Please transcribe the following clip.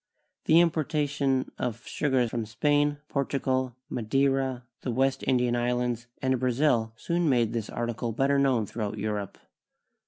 The importation of sugar from Spain, Portugal, Ma deira, the West Indian islands, and Brazil soon made this article better known throughout Europe.